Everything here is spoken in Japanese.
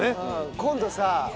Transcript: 今度さ。